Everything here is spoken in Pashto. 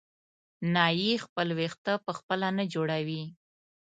نایي خپل وېښته په خپله نه جوړوي.